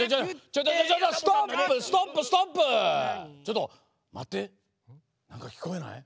ちょっとまって。なんかきこえない？